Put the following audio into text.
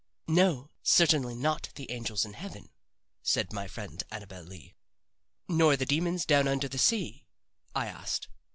"No, certainly not the angels in heaven," said my friend Annabel Lee. "Nor the demons down under the sea?" I asked.